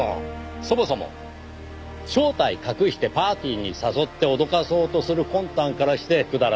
そもそも正体を隠してパーティーに誘って脅かそうとする魂胆からしてくだらないですがねぇ。